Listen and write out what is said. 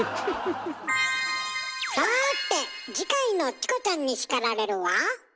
さて次回の「チコちゃんに叱られる」は？